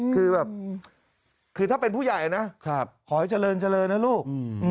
คือแบบคือถ้าเป็นผู้ใหญ่นะขอให้เจริญเจริญนะลูก